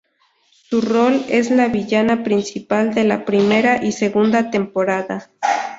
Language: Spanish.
Su rol es la villana principal de la primera y segunda temporada.